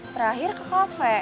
terakhir ke cafe